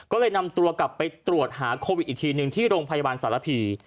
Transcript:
ก็เลยนำตัวกลับไปตรวจหาโควิดอีกทีหนึ่งที่โรงพยาบาลสารพี